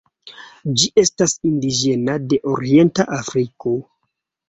Ĝi estas indiĝena de orienta Afriko.